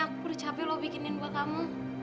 aku udah capek lo bikinin buat kamu